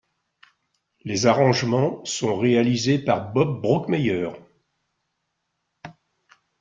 Les arrangements sont réalisés par Bob Brookmeyer.